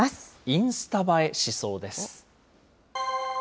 インスタ映えしそうです。